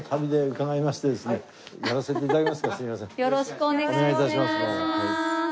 よろしくお願いします。